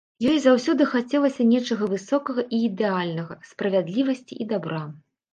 Ёй заўсёды хацелася нечага высокага і ідэальнага, справядлівасці і дабра.